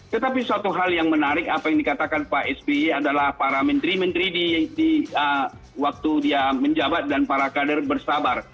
tetapi suatu hal yang menarik apa yang dikatakan pak sby adalah para menteri menteri di waktu dia menjabat dan para kader bersabar